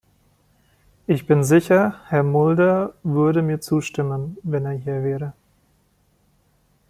Ich bin sicher, Herr Mulder würde mir zustimmen, wenn er hier wäre.